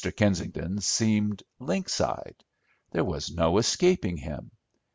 Kensington seemed lynx eyed. There was no escaping him.